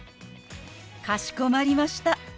かしこまりました。